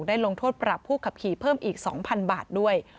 ลงโทษปรับผู้ขับขี่เพิ่มอีก๒๐๐๐บาทด้วย